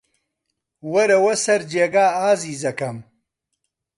وەرەوە سەر جێگا، ئازیزەکەم.